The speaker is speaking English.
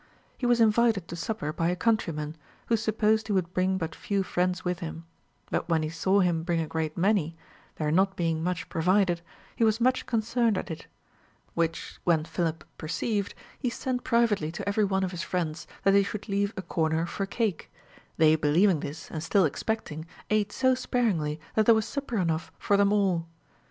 He Avas invited to supper by a countryman. Avho supposed he Avould brin^ but few friends with him ; but when he saw him bring a great many, there not being much pro vided, he Avas much concerned at it : Avhich when Philip perceived, he sent privately to every one of his friends, that they should leave a corner for cake ; they believing this and still expecting, ate so sparingly that there Avas supper enough for them all.